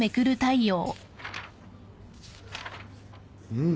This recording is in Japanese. うん。